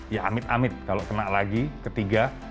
ya amit amit kalau kena lagi ketiga